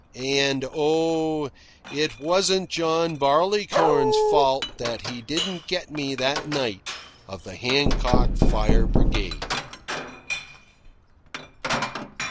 And, oh, it wasn't John Barleycorn's fault that he didn't get me that night of the Hancock Fire Brigade.